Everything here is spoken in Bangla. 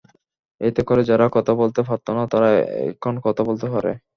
এতে করে যারা কথা বলতে পারত না, তারা এখন কথা বলতে পারে।